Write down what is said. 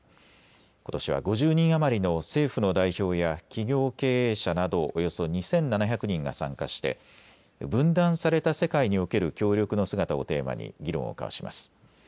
ことしは５０人余りの政府の代表や企業経営者などおよそ２７００人が参加して分断された世界における協力の姿をテーマに議論を交わします。